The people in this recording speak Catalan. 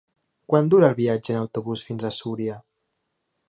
Quant dura el viatge en autobús fins a Súria?